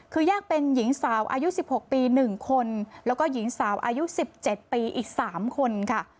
คือแยกเป็นหญิงสาวอายุ๑๖ปี๑คนแล้วก็หญิงสาวอายุ๑๗ปีอีก๓คนค่ะ